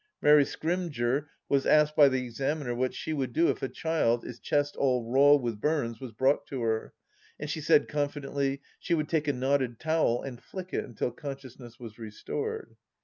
Mary Scrymgeour was asked by the examiner what she would do if a child, its chest all raw with burns, was brought to her, and she said confidently, she would take a knotted towel and flick it until consciousness was restored